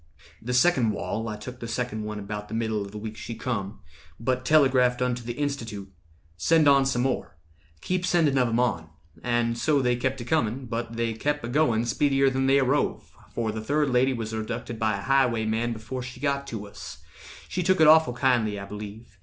"The second—wall, I took the second one About the middle of the week she come; But telegraphed unto the Institute, 'Send on some more; keep sending of 'em on.' And so they kept a comin', but they kep' A going speedier than they arrove, For the third lady was abducted by A highwayman before she got to us— She took it awful kindly, I believe.